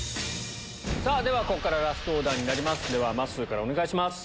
ここからラストオーダーになりますまっすーからお願いします。